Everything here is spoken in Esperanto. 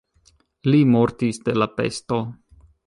Li mortis de la pesto.